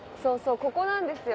ここなんですよ。